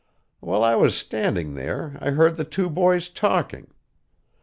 While I was standing there I heard the two boys talking.